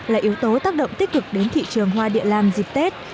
là yếu tố tác động tích cực đến thị trường hoa địa lan dịp tết